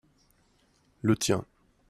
le tien.